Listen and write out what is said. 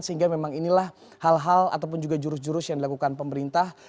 sehingga memang inilah hal hal ataupun juga jurus jurus yang dilakukan pemerintah